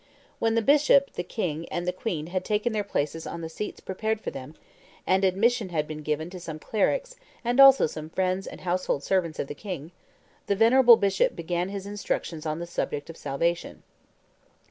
When the bishop, the king, and the queen had taken their places on the seats prepared for them, and admission had been given to some clerics and also some friends and household servants of the king, the venerable bishop began his instructions on the subject of salvation.